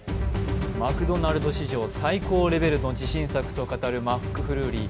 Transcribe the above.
マクドナルド史上最高レベルと自称するマックフルーリー。